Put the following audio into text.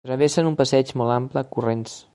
Travessen un passeig molt ample corrents.